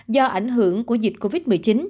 do ảnh hưởng của dịch covid một mươi chín